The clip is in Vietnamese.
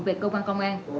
về cơ quan công an